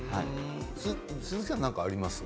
鈴木さんありますか？